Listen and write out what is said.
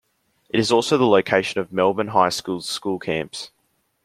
It is also the location of Melbourne High School's school camps.